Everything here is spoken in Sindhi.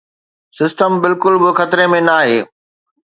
’سسٽم‘ بلڪل به خطري ۾ ناهي.